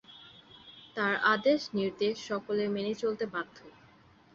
তার আদেশ নির্দেশ সকলে মেনে চলতে বাধ্য।